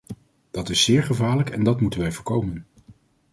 Dat is zeer gevaarlijk en dat moeten wij voorkomen.